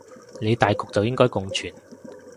理大局就應該共存